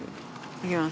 いきます。